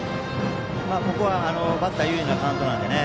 ここは、バッター有利なカウントなんでね